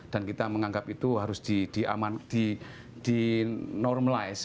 dan kita menganggap itu harus dinormalize